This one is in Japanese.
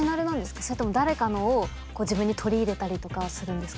それとも誰かのを自分に取り入れたりとかするんですか？